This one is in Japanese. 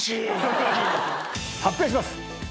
発表します。